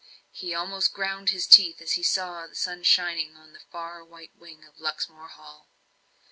He almost ground his teeth as he saw the sun shining on the far white wing of Luxmore Hall.